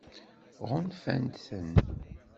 Ɣunfant-ten?